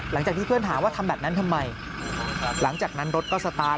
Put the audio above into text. หลังจากที่เพื่อนถามว่าทำแบบนั้นทำไมหลังจากนั้นรถก็สตาร์ท